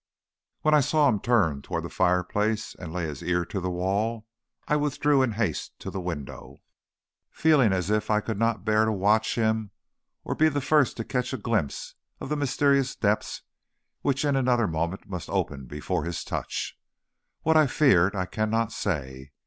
When I saw him turn toward the fireplace and lay his ear to the wall, I withdrew in haste to the window, feeling as if I could not bear to watch him, or be the first to catch a glimpse of the mysterious depths which in another moment must open before his touch. What I feared I cannot say.